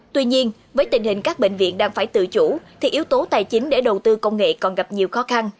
tuy nhiên với tình hình các bệnh viện đang phải tự chủ thì yếu tố tài chính để đầu tư công nghệ còn gặp nhiều khó khăn